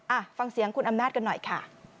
อ่ะฟังเสียงคุณอำนาจกันหน่อยค่ะ